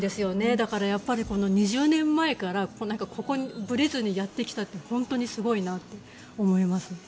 だから、２０年前からぶれずにやってきたって本当にすごいなと思いますね。